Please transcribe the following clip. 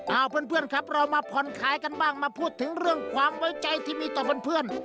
เอาเพื่อนครับเรามาผ่อนขายกันบ้างมาพูดถึงเรื่องความไว้ใจที่มีต่อเพื่อน